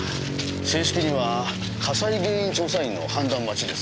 正式には火災原因調査員の判断待ちですが。